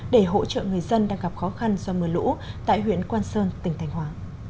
để hỗ trợ người dân đang gặp khó khăn do mưa lũ tại huyện quan sơn tỉnh thành hóa